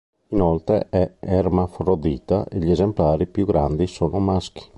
Inoltre è ermafrodita e gli esemplari più grandi sono maschi.